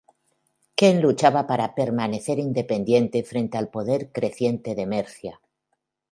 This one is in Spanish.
Kent luchaba para permanecer independiente frente al poder creciente de Mercia.